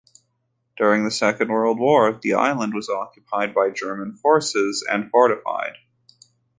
During the Second World War, the island was occupied by German forces and fortified.